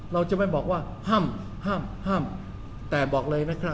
เราจะไม่บอกว่าห้ำห้ำห้ำแต่บอกเลยนะคะ